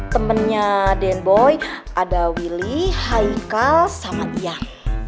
temennya den boy ada willy haikal sama ia